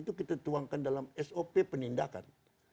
itu kita tuangkan dalam sop penindakan